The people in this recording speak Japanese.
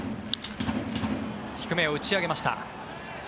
低めを打ち上げました。